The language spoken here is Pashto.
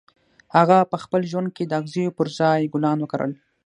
هغه په خپل ژوند کې د اغزیو پر ځای ګلان وکرل